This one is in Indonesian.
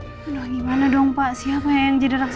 gimana dong pak siapa yang jadi raksasa